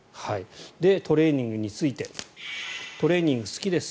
トレーニングについてトレーニング好きです